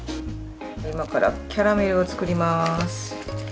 今からキャラメルを作ります。